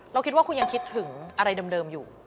เราคิดว่าคุณยังคิดถึงอะไรเดิมอยู่